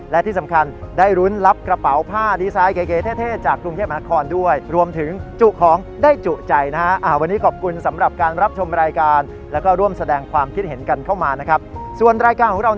และที่สำคัญได้รุ้นรับกระเป๋าผ้าดีไซน์เก๋เท่